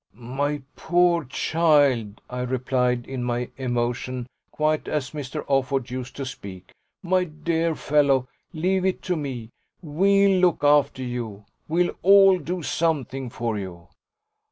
"My poor child," I replied in my emotion, quite as Mr. Offord used to speak, "my dear fellow, leave it to me: WE'LL look after you, we'll all do something for you."